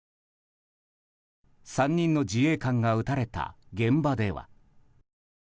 ３人の自衛官が撃たれた現場では。